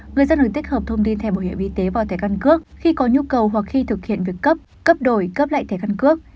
người dân được tích hợp thông tin thẻ bảo hiểm y tế vào thẻ căn cước khi có nhu cầu hoặc khi thực hiện việc cấp cấp đổi cấp lại thẻ căn cước